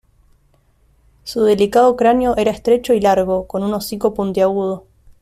Su delicado cráneo era estrecho y largo, con un hocico puntiagudo.